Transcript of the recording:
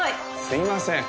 すいません。